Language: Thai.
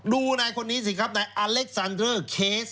ดูในคนนี้สิครับในอเล็กซานเดอร์เคส